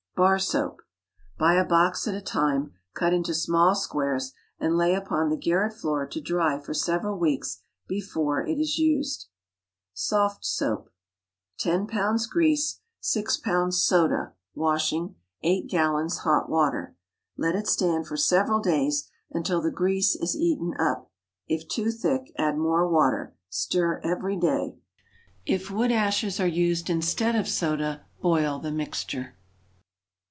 BAR SOAP. Buy a box at a time; cut into small squares and lay upon the garret floor to dry for several weeks before it is used. SOFT SOAP. 10 lbs. grease. 6 lbs. soda (washing). 8 gallons hot water. Let it stand for several days until the grease is eaten up. If too thick, add more water. Stir every day. If wood ashes are used instead of soda, boil the mixture.